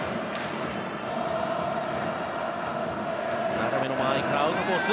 長めの間合いからアウトコース。